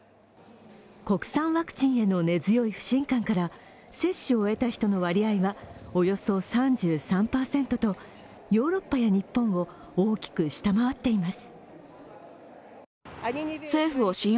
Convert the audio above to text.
国産ワクチンへの根強い不信感から接種を終えた人の割合はおよそ３３％とヨーロッパや日本を大きく下回っています。